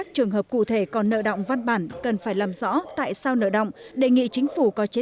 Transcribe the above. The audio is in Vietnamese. trường hợp cụ thể còn nợ động văn bản cần phải làm rõ tại sao nợ động đề nghị chính phủ có chế